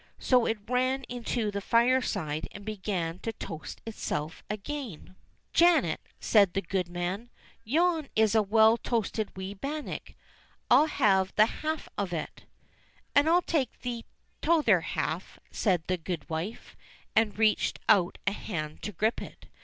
So it ran into the fireside and began to toast itself again. 26o ENGLISH FAIRY TALES "Janet," says the goodman, "yon is a well toasted wee bannock. I'll have the half of it." "And I'll take the tother half," says the goodwife, and reached out a hand to grip it.